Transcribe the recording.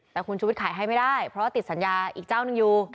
แต่คุณชุวิตขายให้ไม่ได้เพราะว่าติดสัญญาอีกเจ้าหนึ่งอยู่